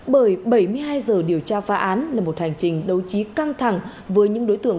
bởi bảy mươi hai giờ điều tra phá án là một hành trình đấu trí căng thẳng với những đối tượng